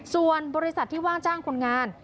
ส่วนบริษัทที่ว่างจ้างคนงาน